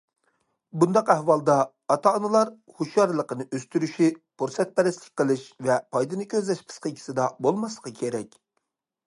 بۇنداق ئەھۋالدا، ئاتا- ئانىلار ھوشيارلىقىنى ئۆستۈرۈشى، پۇرسەتپەرەسلىك قىلىش ۋە پايدىنى كۆزلەش پىسخىكىسىدا بولماسلىقى كېرەك.